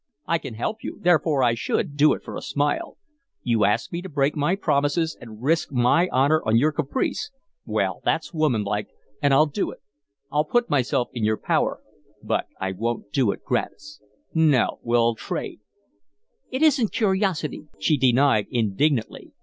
I can help you, therefore I should, do it for a smile. You ask me to break my promises and risk my honor on your caprice. Well, that's woman like, and I'll do it. I'll put myself in your power, but I won't do it gratis. No, we'll trade." "It isn't curiosity," she denied, indignantly.